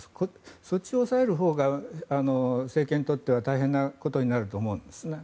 そっちを抑えるほうが政権にとっては大変なことになると思うんですね。